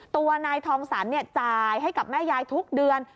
ตัวนายทองสรรจ่ายให้กับแม่ยายทุกเดือน